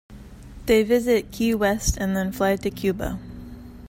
They visit Key West and then fly to Cuba.